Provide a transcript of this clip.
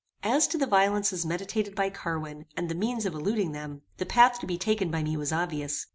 As to the violences meditated by Carwin, and the means of eluding them, the path to be taken by me was obvious.